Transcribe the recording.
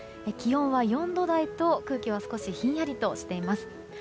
気温は４度台と空気は少しひんやりとしています。